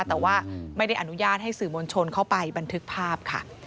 แต่ว่าไม่ได้อนุญาตให้สื่อมวลชนเข้าไปบันทึกภาพค่ะ